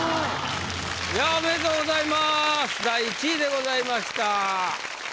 おめでとうございます第１位でございました！